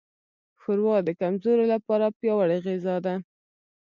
ښوروا د کمزورو لپاره پیاوړې غذا ده.